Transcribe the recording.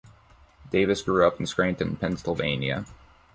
Davis grew up in Scranton, Pennsylvania.